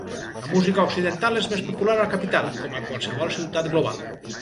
La música occidental és més popular a la capital, com a qualsevol ciutat global.